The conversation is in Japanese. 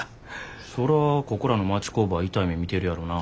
そらここらの町工場は痛い目見てるやろな。